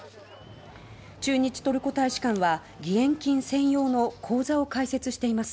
駐日トルコ大使館は義援金専用の口座を開設しています。